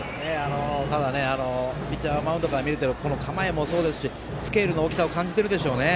ただ、ピッチャーマウンドから見ると構えもそうですしスケールの大きさを感じてるでしょうね。